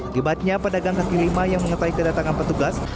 akibatnya pedagang kaki lima yang mengetahui kedatangan petugas